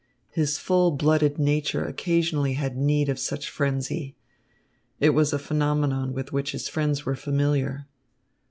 His full blooded nature occasionally had need of such frenzy. It was a phenomenon with which his friends were familiar.